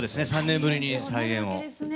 ３年ぶりに再演を。